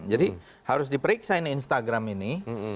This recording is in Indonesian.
jadi harus diperiksa ini instagram ini